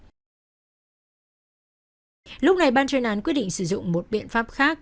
và các đối tượng trong ban chuyên án quyết định sử dụng một biện pháp khác